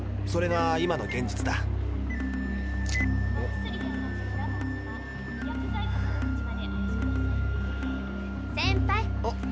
それが今の現実だお？